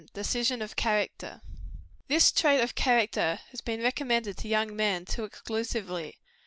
Errors of modern education. This trait of character has been recommended to young men too exclusively.